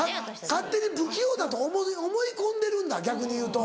勝手に不器用だと思い込んでるんだ逆に言うと。